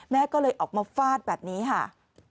แม่ก็เลยออกมาฟาดแบบนี้ค่ะ